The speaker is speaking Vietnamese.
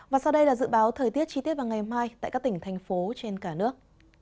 và sau đây là dự báo thời tiết chi tiết vào ngày mai tại các tỉnh thành phố trên cả nước